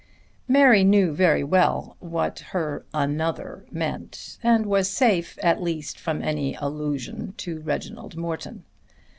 Mary knew very well what her mother meant and was safe at least from any allusion to Reginald Morton.